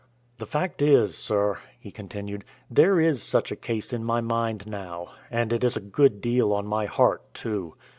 "The fact is, sir," he continued, "there is such a case in my mind now, and it is a good deal on my heart, too.